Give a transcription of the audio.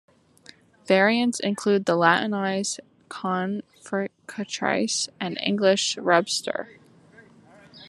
Variants include the Latinized "confricatrice" and English "rubster".